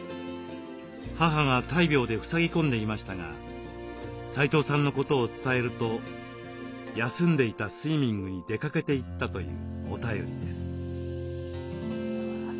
母が大病でふさぎ込んでいましたが齋藤さんのことを伝えると休んでいたスイミングに出かけて行ったというお便りです。